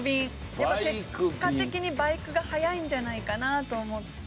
やっぱ結果的にバイクが速いんじゃないかなと思って。